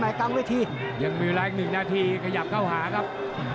ยังมีเวลาอีก๑นาทีขยับเข้าหาครับ